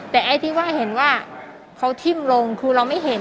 แต่ไอ้ที่ว่าเห็นว่าเขาทิ้มลงคือเราไม่เห็น